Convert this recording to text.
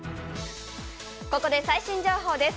ここで最新情報です。